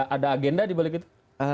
ada agenda di balik itu